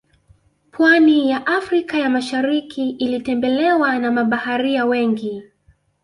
Pwani ya afrika ya masharikii ilitembelewa na mabaharia wengi